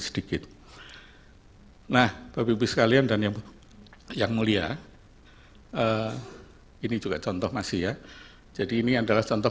sedikit nah bapak ibu sekalian dan yang mulia ini juga contoh masih ya jadi ini adalah contoh